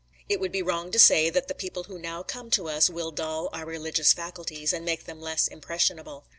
It would be wrong to say that the people who now come to us will dull our religious faculties, and make them less impressionable.